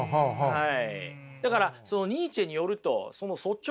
はい。